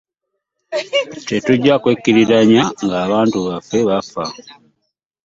Tetujja kwekkiriranya nga abantu baffe bafa.